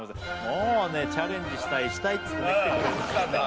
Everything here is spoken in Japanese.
もうねチャレンジしたいしたいつって来てくれるんですね